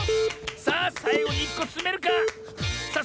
さあさいごに１こつめるか⁉さあ